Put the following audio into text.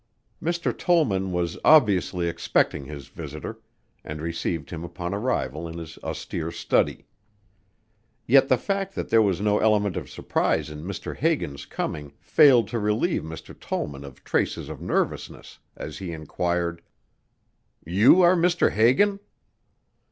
Mr. Tollman was obviously expecting his visitor, and received him upon arrival in his austere study. Yet the fact that there was no element of surprise in Mr. Hagan's coming failed to relieve Mr. Tollman of traces of nervousness as he inquired, "You are Mr. Hagan?"